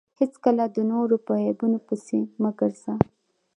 هېڅکله د نورو په عیبو پيسي مه ګرځه!